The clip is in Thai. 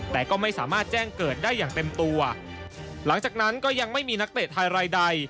แต่ก็ไม่สามารถแจ้งเกิดได้อย่างเต็มตัวหลังจากนั้นก็ยังไม่มีนักเตะไทยรายใด